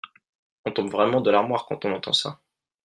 On tombe vraiment de l’armoire quand on entend cela